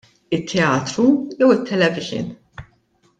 It-teatru jew it-televixin?